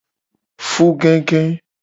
Fugege.